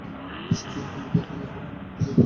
শচীশ বলিল, এখনো তার জন্য ভালো করিয়া তৈরি হইতে পারি নাই।